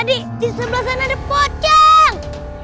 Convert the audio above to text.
tadi di sebelah sana ada pocong